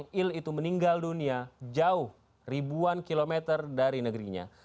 ketika anak anaknya itu meninggal dunia jauh ribuan kilometer dari negerinya